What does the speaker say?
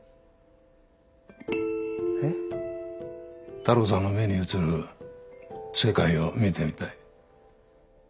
太郎さんの目に映る世界を見てみたい。